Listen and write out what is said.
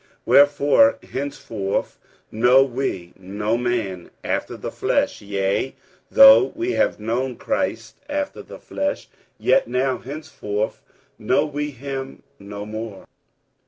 47:005:016 Wherefore henceforth know we no man after the flesh: yea, though we have known Christ after the flesh, yet now henceforth know we him no more.